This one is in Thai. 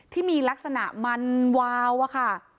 ที่มีลักษณะมันวาวอะค่ะ